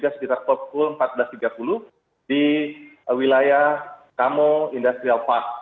sekitar pukul empat belas tiga puluh di wilayah kamu industrial park